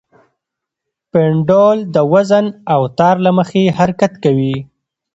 پینډول د وزن او تار له مخې حرکت کوي.